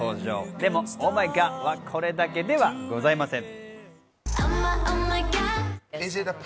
でもＯｈＭｙＧｏｄはこれだけではございません。